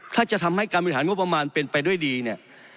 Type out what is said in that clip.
ถ้าจะทำให้การบริหารงบประมาณเป็นไปด้วยดีเนี่ย